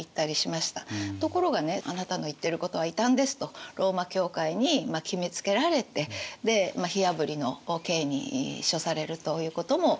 ところがねあなたの言ってることは異端ですとローマ教会に決めつけられてで火あぶりの刑に処されるということも起きたりしています。